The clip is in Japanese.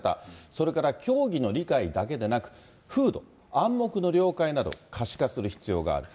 それから、教義の理解だけでなく、風土、暗黙の了解など、可視化する必要がある。